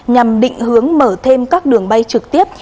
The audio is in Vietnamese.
nhằm định hướng mở thêm các đường bay trực tiếp